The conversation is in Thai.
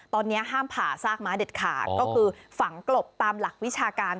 ตอนนี้ห้ามผ่าซากม้าเด็ดขาดก็คือฝังกลบตามหลักวิชาการ